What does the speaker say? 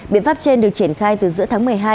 biện pháp trên được triển khai từ giữa tháng một mươi hai